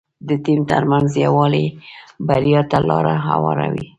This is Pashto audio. د ټيم ترمنځ یووالی بریا ته لاره هواروي.